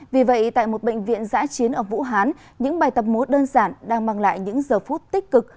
vì vậy tại một bệnh viện giã chiến ở vũ hán những bài tập múa đơn giản đang mang lại những giờ phút tích cực